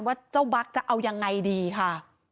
ว่าเจ้าบัคจะเอายังไงดีค่ะ